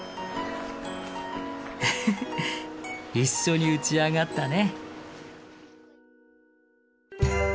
フフ一緒に打ち上がったね。